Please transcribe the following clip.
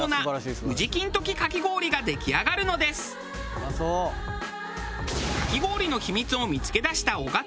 「うまそう！」かき氷の秘密を見付け出した尾形。